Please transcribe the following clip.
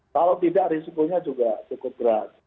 kalau tidak risikonya juga cukup berat